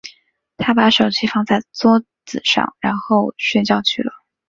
她把手机放在桌子上，然后睡觉去了。